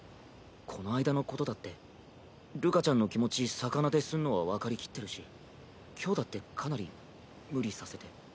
この間のことだってるかちゃんの気持ち逆なですんのは分かりきってるし今日だってかなり無理させて。